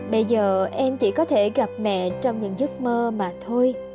bây giờ em chỉ có thể gặp mẹ trong những giấc mơ mà thôi